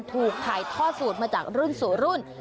ถูกที่ถ่ายทอดสูตรมาสุดของรุ่น